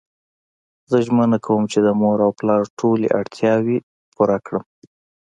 زه ژمنه کوم چی د مور او پلار ټولی اړتیاوی پوره کړم